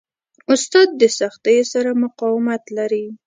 استاد د سختیو سره مقاومت لري.